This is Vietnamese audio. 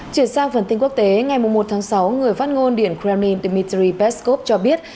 chuyển sang phần tin quốc tế ngày một tháng sáu người phát ngôn điện kremlin dmitry peskov cho biết